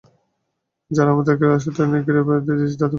যারা আমাদেরকে দাসত্বের নিগড়ে বেঁধেছে, তাদেরকে ধ্বংস করার পথ দেখান আমাকে।